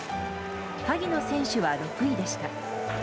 萩野選手は６位でした。